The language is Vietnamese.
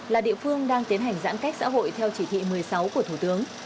là địa phương đang tiến hành giãn cách xã hội theo chỉ thị một mươi sáu của thủ tướng